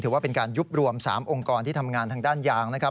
ถือว่าเป็นการยุบรวม๓องค์กรที่ทำงานทางด้านยางนะครับ